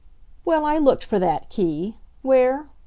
Well, I looked for that key. Where?